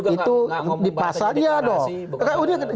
itu juga nggak ngomong bahas dengan deklarasi